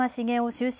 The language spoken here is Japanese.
終身